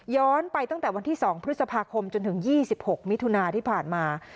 ไปตั้งแต่วันที่๒พฤษภาคมจนถึง๒๖มิถุนาที่ผ่านมา